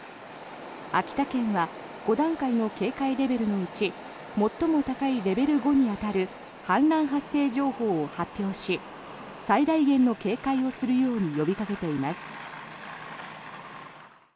秋田県は５段階の警戒レベルのうち最も高いレベル５に当たる氾濫発生情報を発表し最大限の警戒をするように呼びかけています。